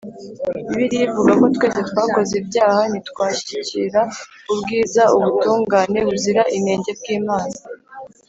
Bibiliya ivuga ko twese twakoze ibyaha ntitwashyikira ubwiza (ubutungane buzira inenge) bw'Imana.